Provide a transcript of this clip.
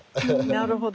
なるほど！